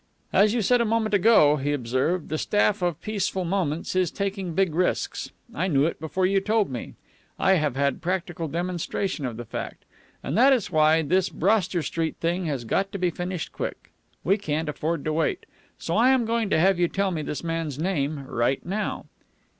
"As you said a moment ago," he observed, "the staff of Peaceful Moments is taking big risks. I knew it before you told me. I have had practical demonstration of the fact. And that is why this Broster Street thing has got to be finished quick. We can't afford to wait. So I am going to have you tell me this man's name right now."